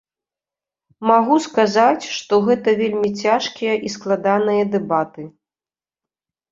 Магу сказаць, што гэта вельмі цяжкія і складаныя дэбаты.